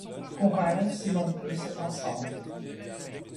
Qu’on rêve, si l’on peut, cet ensemble.